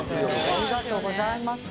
ありがとうございます。